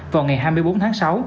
vào ngày hai mươi bốn tháng sáu